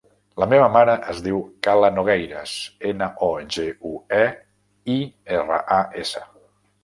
La meva mare es diu Kala Nogueiras: ena, o, ge, u, e, i, erra, a, essa.